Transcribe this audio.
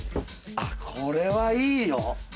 あっこれはいいよ。